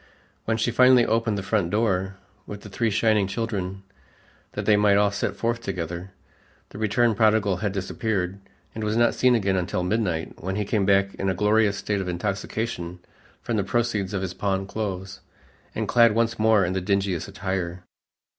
When she finally opened the front door with the three shining children that they might all set forth together, the returned prodigal had disappeared, and was not seen again until midnight, when he came back in a glorious state of intoxication from the proceeds of his pawned clothes and clad once more in the dingiest attire.